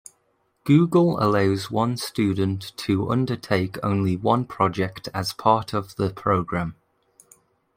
Google allows one student to undertake only one project as part of the program.